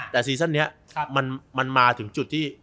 แต่ซีซั่นนี้มันมาถึงจุดที่